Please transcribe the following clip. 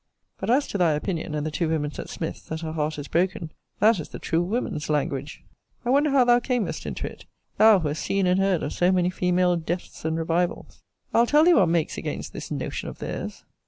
But as to thy opinion, and the two women's at Smith's, that her heart is broken! that is the true women's language: I wonder how thou camest into it: thou who hast seen and heard of so many female deaths and revivals. I'll tell thee what makes against this notion of theirs.